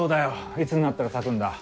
いつになったら咲くんだ？